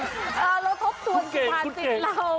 เราพบต้วนถึงผ่านจิตเราแอบ